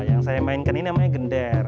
yang saya mainkan ini namanya gender